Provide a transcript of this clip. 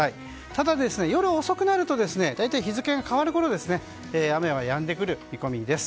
ただ夜遅くなると大体、日付が変わるころ雨はやんでくる見込みです。